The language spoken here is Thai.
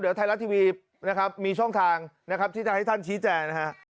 เดี๋ยวไทยรัฐทีวีนะครับมีช่องทางนะครับที่จะให้ท่านชี้แจงนะฮะ